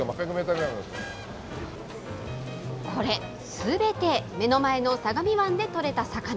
すべて目の前の相模湾で取れた魚。